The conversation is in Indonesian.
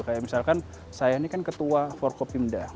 kayak misalkan saya ini kan ketua forkopimda